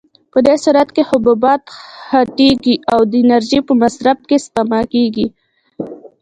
په دې صورت کې حبوبات غټېږي او د انرژۍ په مصرف کې سپما کېږي.